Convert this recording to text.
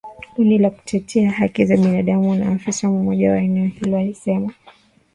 Kundi la kutetea haki za binadamu na afisa mmoja wa eneo hilo alisema